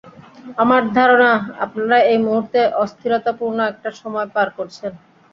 আমার ধারণা, আপনারা এই মুহূর্তে অস্থিরতাপূর্ন একটা সময় পার করছেন!